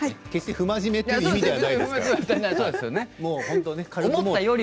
不真面目という意味ではないですよね。